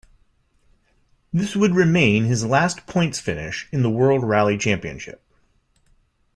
This would remain his last points-finish in the World Rally Championship.